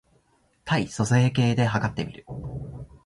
体組成計で計ってみる